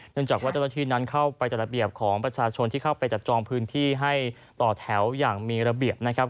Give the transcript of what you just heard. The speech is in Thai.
จากว่าเจ้าหน้าที่นั้นเข้าไปจัดระเบียบของประชาชนที่เข้าไปจับจองพื้นที่ให้ต่อแถวอย่างมีระเบียบนะครับ